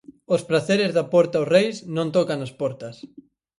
Os praceres da porta Os reis non tocan as portas.